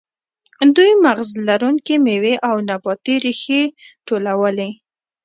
دوی مغز لرونکې میوې او نباتي ریښې ټولولې.